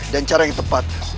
dan cara yang tepat